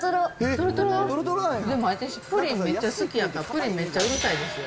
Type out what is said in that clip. でも私プリン、めっちゃ好きやから、プリン、めっちゃうるさいですよ。